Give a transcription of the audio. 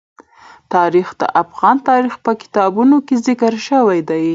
تاریخ د افغان تاریخ په کتابونو کې ذکر شوی دي.